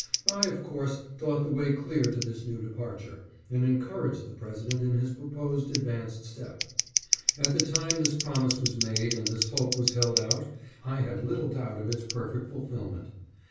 I, of course, thought the way clear to this new departure, and encouraged the President in his proposed advanced step. At the time this promise was made and this hope was held out, I had little doubt of its perfect fulfilment.